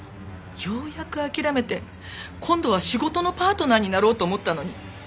ようやく諦めて今度は仕事のパートナーになろうと思ったのに。